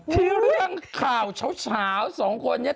ที่เรื่องข่าวเฉาสองคนนี้